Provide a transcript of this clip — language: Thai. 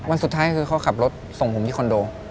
วันสุดท้ายคือเขาขับรถส่งผมที่คอนโด